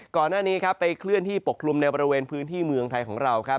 ก่อนหน้านี้ครับไปเคลื่อนที่ปกคลุมในบริเวณพื้นที่เมืองไทยของเราครับ